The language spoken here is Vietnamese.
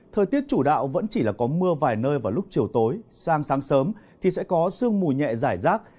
thời tiết chủ đạo vẫn chỉ là có mưa vài nơi vào lúc chiều tối sang sáng sớm thì sẽ có sương mù nhẹ giải rác